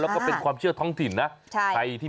แล้วก็เป็นความเชื่อท้องถิ่นนะใครที่มีความเชื่อใช่